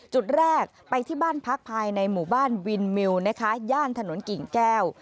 จุดแรกไปที่บ้านพักภายในหมู่บ้านวินมิวนะคะย่านถนนกิ่งแก้ว